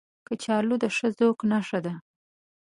کچالو د ښه ذوق نښه ده